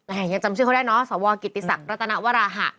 ยังจำชื่อเขาได้เนอะสวกิติศักดิรัตนวราหะ